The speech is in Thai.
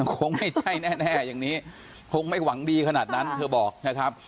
คงไม่ใช่แน่อย่างนี้คงไม่หวังดีขนาดนั้นเธอบอกนะครับ